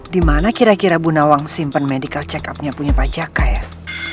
di mana kira kira bunda awang simpen medical check up nya punya pak jaka ya